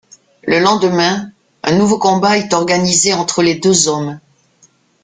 Le lendemain, un nouveau combat est organisé entre les deux hommes.